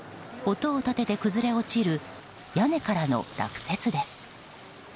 音を立てて崩れ落ちる屋根からの落雪です。